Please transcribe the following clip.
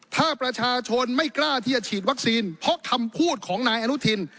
ถ้าประชาชนไม่กล้าที่จะฉีดวัคซีนเพราะคำพูดของนายอนุทิน